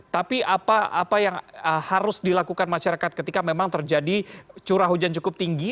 tapi apa yang harus dilakukan masyarakat ketika memang terjadi curah hujan cukup tinggi